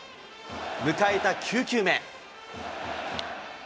迎えた９球目。